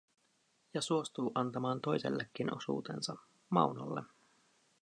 Ja suostuu antamaan toisellekin osuutensa, Maunolle.